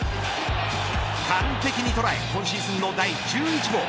完璧に捉え今シーズンの第１１号。